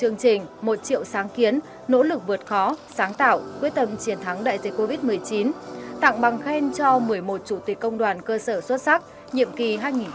công đoàn công an nhân dân cũng đã tạo ra một triệu sáng kiến nỗ lực vượt khó sáng tạo quyết tâm triển thắng đại dịch covid một mươi chín tặng bằng khen cho một mươi một chủ tịch công đoàn cơ sở xuất sắc nhiệm kỳ hai nghìn một mươi tám hai nghìn hai mươi ba